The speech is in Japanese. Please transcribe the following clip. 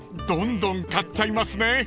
［どんどん買っちゃいますね］